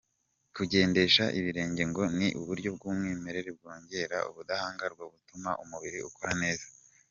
Kugendesha ibirenge ngo ni uburyo bw’umwimerere bwongera ubudahangarwa butuma umubiri ukora neza.